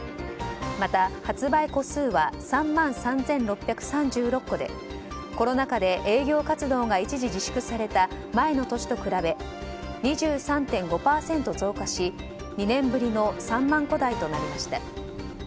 また発売戸数は３万３６３６戸でコロナ禍で営業活動が一時自粛された前の年と比べ２３．５％増加し２年ぶりの３万戸台となりました。